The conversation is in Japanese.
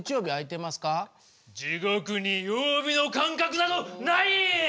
じごくに曜日の感覚などない！